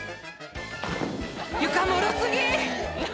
「床もろ過ぎ！」